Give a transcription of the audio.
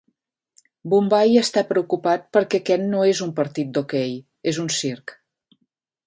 Bombai està preocupat perquè aquest no és un partit d'hoquei, és un circ.